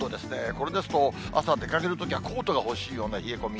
これですと、朝、出かけるときはコートが欲しいような冷え込み。